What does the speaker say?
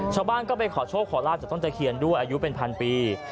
ชาวบ้านก็ไปขอโชคขอลาบจากต้นตะเคียนด้วยอายุเป็นพันปี